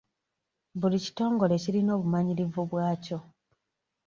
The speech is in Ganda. Buli kitongole kirina obumanyirivu bwakyo.